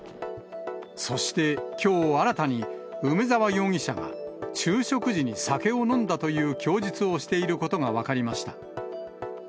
そして、きょう、新たに梅沢容疑者が昼食時に酒を飲んだという供述をしていることが分かりました。